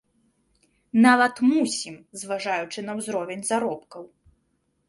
Нават мусім, зважаючы на ўзровень заробкаў.